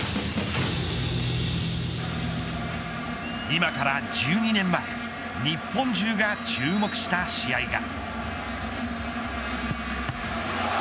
今から１２年前日本中が注目した試合が。